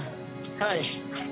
はい。